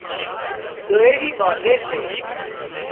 ۮوئيڙِي ٻانڌي سي